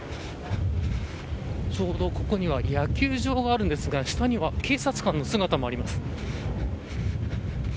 ちょうどここには野球場があるんですが、下には警察官の姿もあります。